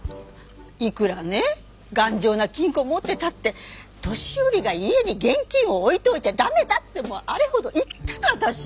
いくらね頑丈な金庫を持ってたって年寄りが家に現金を置いといちゃ駄目だってあれほど言ったの私。